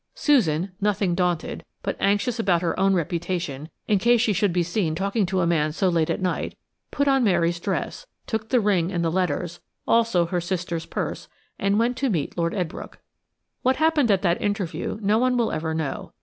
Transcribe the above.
Susan, nothing daunted, but anxious about her own reputation in case she should be seen talking to a man so late at night, put on Mary's dress, took the ring and the letters, also her sister's purse, and went to meet Lord Edbrooke. What happened at that interview no one will ever know.